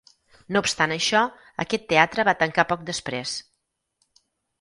No obstant això, aquest teatre va tancar poc després.